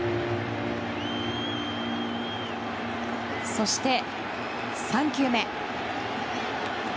そして３球目。